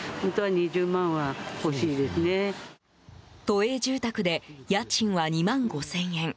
都営住宅で家賃は２万５０００円。